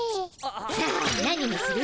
さあ何にする？